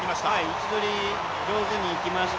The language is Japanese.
位置取り、上手にいきました